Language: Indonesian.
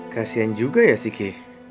kasian juga ya sih ke